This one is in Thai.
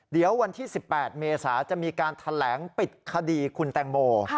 เดี๋ยววันที่๑๘เมษาจะมีการแถลงปิดคดีคุณแตงโม